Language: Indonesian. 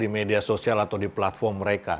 di media sosial atau di platform mereka